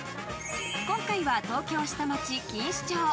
今回は東京下町・錦糸町。